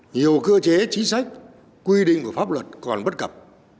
nhiều cơ chế chính sách quy định của pháp luật còn bất cập